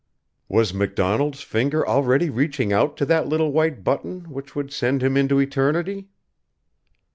Was MacDonald's finger already reaching out to that little white button which would send him into eternity?